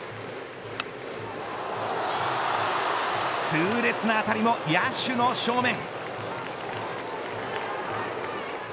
痛烈な当たりも野手の正面。